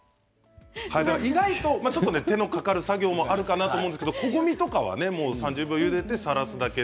意外と、ちょっと手のかかる作業もあるかなと思うんですけれどもこごみとか３０秒ゆでてさらすだけ。